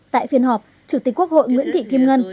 tại phiên họp chủ tịch quốc hội nguyễn thị kim ngân